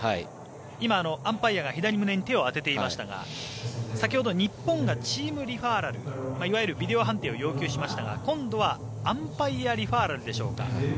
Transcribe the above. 今、アンパイアが左胸に手を当てていましたが先ほど日本がチームリファーラルいわゆるビデオ判定を要求しましたが今度はアンパイアリファーラルでしょうか。